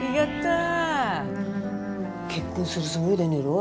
結婚するつもりでねえろ？